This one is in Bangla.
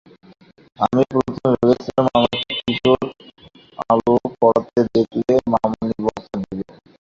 আমি প্রথমে ভেবেছিলাম, আমাকে কিশোর আলো পড়তে দেখলে মামণি বকা দেবেন।